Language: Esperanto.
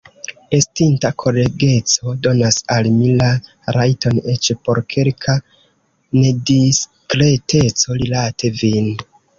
Estinta kolegeco donas al mi la rajton eĉ por kelka nediskreteco rilate vin.